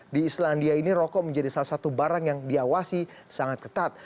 di islandia ini rokok menjadi salah satu barang yang diawasi sangat ketat